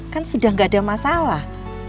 kan sudah tidak ada masalah